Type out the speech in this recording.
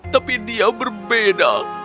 tapi dia berbeda